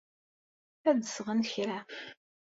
Ad d-sɣen kra.